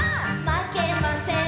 「まけません」